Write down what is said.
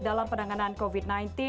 dalam penanganan covid sembilan belas